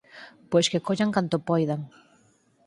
Pois que collan canto poidan;